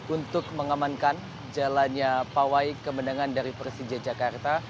untuk mengamankan jalannya pawai kemenangan dari persija jakarta